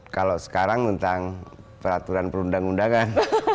kalau sekarang tentang peraturan perundang undangan